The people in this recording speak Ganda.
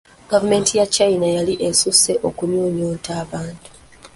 Gavumenti ya China yali esusse okunyuunyunta abantu.